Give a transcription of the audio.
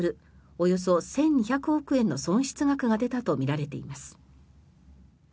およそ１２００億円の損失額が出たとみられています。